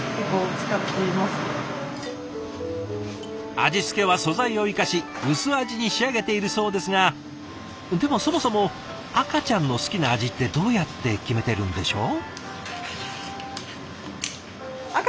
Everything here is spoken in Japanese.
味付けは素材を生かし薄味に仕上げているそうですがでもそもそも赤ちゃんの好きな味ってどうやって決めてるんでしょう？